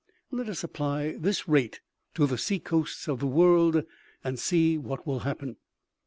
L,et us apply this rate to the sea coasts of the world, and see what will happen.